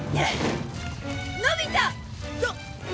のび太！